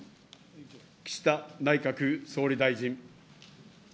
岸田内閣総理大臣。